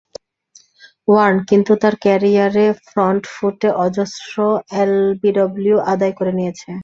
Warne কিন্তু তাঁর ক্যারিয়ারে ফ্রন্ট ফুটে অজস্র এলবিডব্লু আদায় করে নিয়েছে।